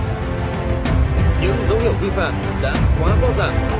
những dấu hiệu vi phạm đã quá rõ ràng